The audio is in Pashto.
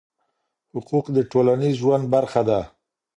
حقوق د ټولنيز ژوند برخه ده؟